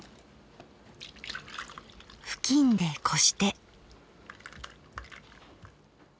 布巾でこして。